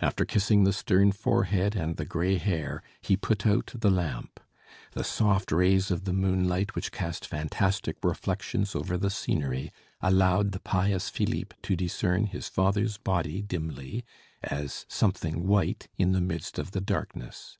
After kissing the stern forehead and the gray hair he put out the lamp. The soft rays of the moonlight which cast fantastic reflections over the scenery allowed the pious Philippe to discern his father's body dimly, as something white in the midst of the darkness.